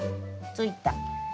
ついた！